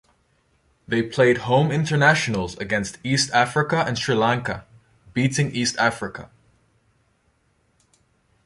They played home internationals against East Africa and Sri Lanka, beating East Africa.